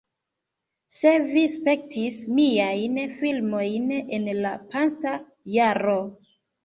Se vi spektis miajn filmojn en la pasinta jaro